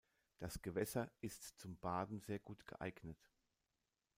Das Gewässer ist zum Baden sehr gut geeignet.